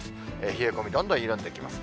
冷え込み、どんどん緩んできます。